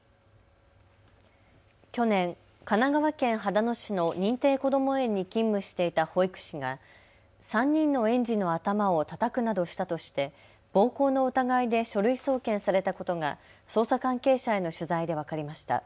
去年、神奈川県秦野市の認定こども園に勤務していた保育士が３人の園児の頭をたたくなどしたとして暴行の疑いで書類送検されたことが捜査関係者への取材で分かりました。